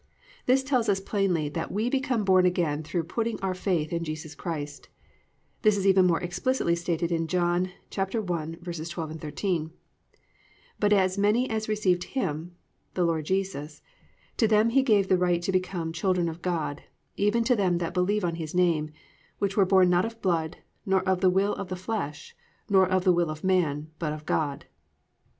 "+ This tells us plainly that we become born again through putting our faith in Christ Jesus. This is even more explicitly stated in John 1:12, 13: +"But as many as received him+ (i.e. the Lord Jesus), +to them gave He the right to become children of God, even to them that believe on His name: which were born not of blood, nor of the will of the flesh, nor of the will of man, but of God."